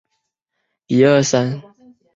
我的外婆不识字